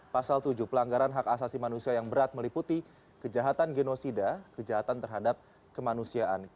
pasal tujuh pelanggaran hak asasi manusia yang berat meliputi kejahatan genosida kejahatan terhadap kemanusiaan